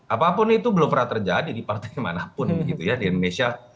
apapun itu belum pernah terjadi di partai manapun gitu ya di indonesia